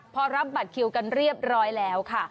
พอรับบัตรคิวกันเรียบร้อยแล้วค่ะ